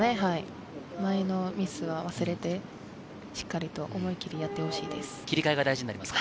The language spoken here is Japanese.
前のミスは忘れてしっかりと思い切りやってほしいです。